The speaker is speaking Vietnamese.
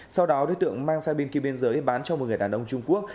sau đó đối tượng mang sang bên kia biên giới bán cho một người đàn ông trung quốc